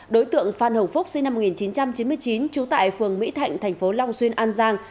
đối tượng phan hồng phúc sinh năm một nghìn chín trăm chín mươi chín trú tại phường mỹ thạnh thành phố long xuyên an giang